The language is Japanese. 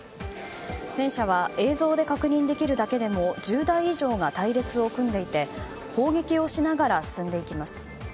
戦車は映像で確認できるだけでも１０台以上が隊列を組んでいて砲撃をしながら進んでいきます。